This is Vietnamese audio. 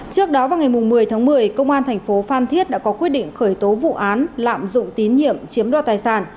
trước đó vào ngày một mươi tháng một mươi công an thành phố phan thiết đã có quyết định khởi tố vụ án lạm dụng tín nhiệm chiếm đo tài sản